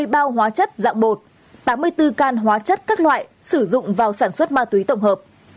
ba trăm tám mươi bao hóa chất dạng bột tám mươi bốn can hóa chất các loại sử dụng vào sản xuất ma túy tổng hợp